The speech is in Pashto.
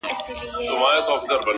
لا معیار د سړیتوب مال و دولت دی.